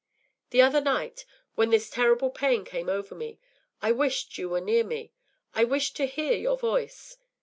The other night, when this terrible pain came over me, I wished you were near me; I wished to hear your voice.